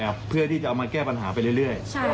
เพื่อที่จะเอามาแก้ปัญหาไปเรื่อย